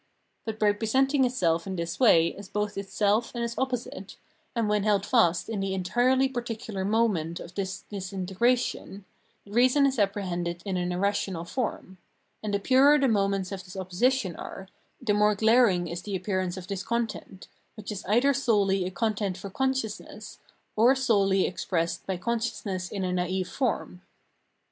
But by presenting itself in this way as both itself and its opposite, and when held fast in the entirely particular moment of this disintegration, reason is apprehended in an irrational form ; and the purer the moments of this opposition are, the more glaring is the appearance of this content, which is either solely a con tent for consciousness, or solely expressed by conscious ness in a naive form.